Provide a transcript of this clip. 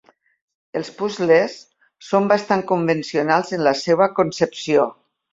Els puzles són bastant convencionals en la seva concepció.